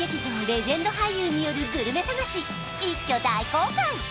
レジェンド俳優によるグルメ探し一挙大公開！